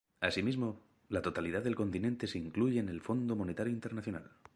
Así mismo, la totalidad del continente se incluye en el Fondo Monetario Internacional.